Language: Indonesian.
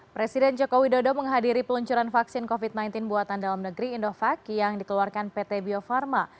presiden joko widodo menghadiri peluncuran vaksin covid sembilan belas buatan dalam negeri indovac yang dikeluarkan pt bio farma